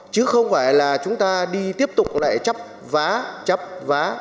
chứ không phải là chúng ta đi tiếp tục lại chấp vá chấp vá